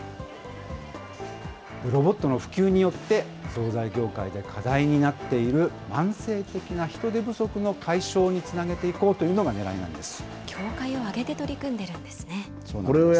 ロボットの普及によって、総菜業界で課題になっている慢性的な人手不足の解消につなげていこうというのがねらいなんです。